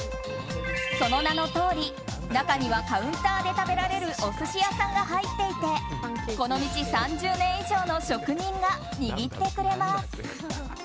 その名のとおり中にはカウンターで食べられるお寿司屋さんが入っていてこの道３０年以上の職人さんが握ってくれます。